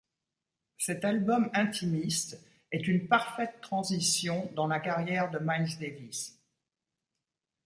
Cet album intimiste est une parfaite transition dans la carrière de Miles Davis.